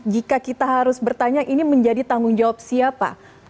jika kita harus bertanya ini menjadi tanggung jawab siapa